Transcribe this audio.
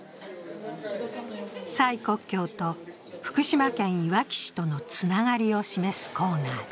蔡國強と福島県いわき市とのつながりを示すコーナーだ。